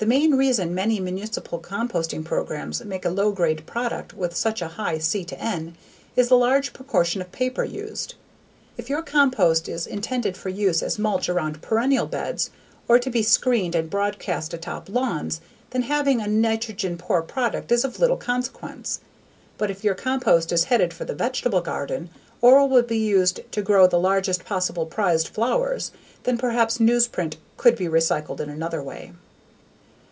The main reason many municipal composting programs make a low grade product with such a high C/N is the large proportion of paper used. If your compost is intended for use as mulch around perennial beds or to be screened and broadcast atop lawns, then having a nitrogen poor product is of little consequence. But if your compost is headed for the vegetable garden or will be used to grow the largest possible prized flowers then perhaps newsprint could be recycled in another way.